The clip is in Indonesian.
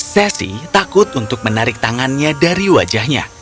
sesi takut untuk menarik tangannya dari wajahnya